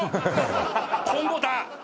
今後だ！